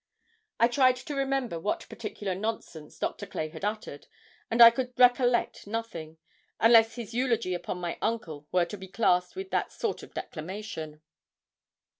I tried to remember what particular nonsense Doctor Clay had uttered, and I could recollect nothing, unless his eulogy upon my uncle were to be classed with that sort of declamation.